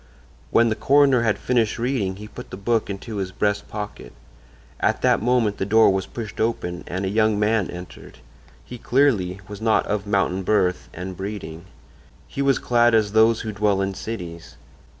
When the coroner had finished reading he put the book into his breast pocket. At that moment the door was pushed open and a young man entered. He, clearly, was not of mountain birth and breeding: he was clad as those who dwell in cities.